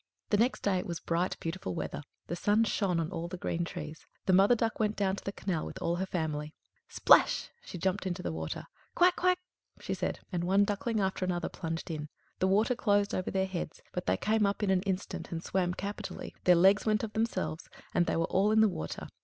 The next day it was bright, beautiful weather; the sun shone on all the green trees. The Mother Duck went down to the canal with all her family. Splash! she jumped into the water. "Quack! quack!" she said, and one duckling after another plunged in. The water closed over their heads, but they came up in an instant, and swam capitally; their legs went of themselves, and they were all in the water.